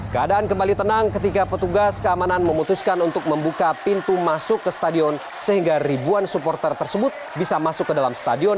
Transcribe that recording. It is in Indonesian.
keadaan kembali tenang ketika petugas keamanan memutuskan untuk membuka pintu masuk ke stadion sehingga ribuan supporter tersebut bisa masuk ke dalam stadion